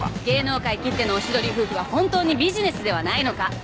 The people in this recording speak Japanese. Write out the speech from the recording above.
芸能界きってのおしどり夫婦は本当にビジネスではないのか。